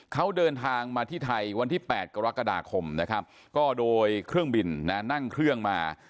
เขาเดินทางมาที่ไทยวันที่๘กรกฎาคมนะครับก็โดยเครื่องบินนั่งเครื่องมา